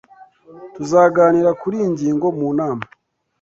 Tuzaganira kuri iyi ngingo mu nama.